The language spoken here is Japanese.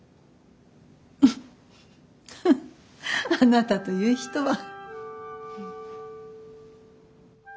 ウフッフッあなたという人は。